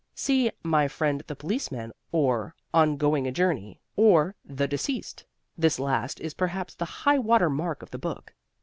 See "My friend the Policeman," or "On Going a Journey," or "The Deceased" this last is perhaps the high water mark of the book.